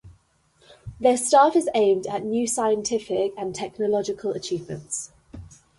Their staff is aimed at new scientific and technological achievements.